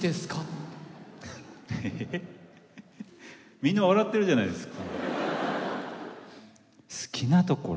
みんな笑ってるじゃないですか。